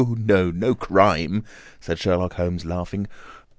No crime," said Sherlock Holmes, laughing.